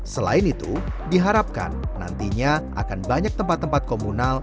selain itu diharapkan nantinya akan banyak tempat tempat komunal